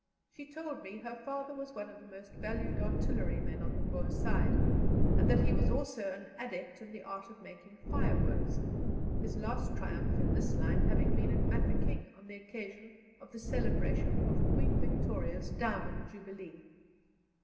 She told me her father was one of the most valued artillerymen on the Boer side, and that he was also an adept in the art of making fireworks, his last triumph in this line having been at Mafeking on the occasion of the celebration of Queen Victoria's Diamond Jubilee.